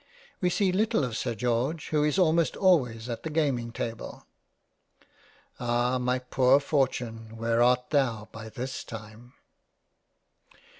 We see little of Sir George, who is almost always at the gaming table. Ah ! my poor Fortune where art thou by this time